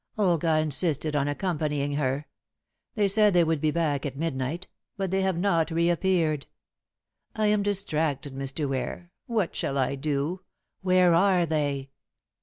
Olga insisted on accompanying her. They said they would be back at midnight; but they have not reappeared. I am distracted, Mr. Ware. What shall I do? Where are they?"